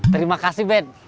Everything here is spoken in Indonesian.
terima kasih ben